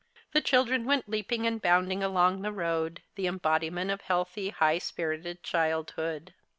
The children went leaping and bounding along the road, the embodiment of healthy, high spirited childhood.